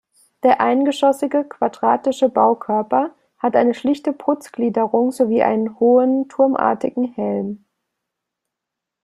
Der eingeschossige, quadratische Baukörper hat eine schlichte Putzgliederung sowie einen hohen turmartigen Helm.